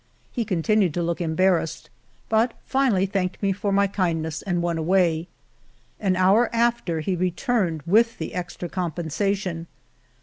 He con tinued to look embarrassed, but finally thanked me for my kindness and went away. An hour after, he returned with the extra compensation.